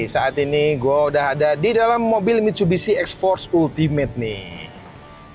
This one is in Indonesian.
saat ini gue udah ada di dalam mobil mitsubishi exforce ultimate nih